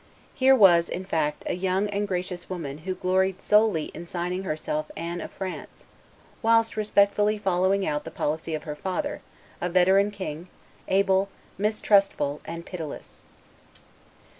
Here was, in fact, a young and gracious woman who gloried solely in signing herself simply Anne of France, whilst respectfully following out the policy of her father, a veteran king, able, mistrustful, and pitiless.